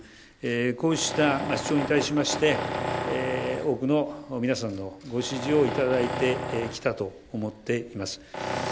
こうした主張に対しまして多くの皆さんのご支持をいただいてきたと思っています。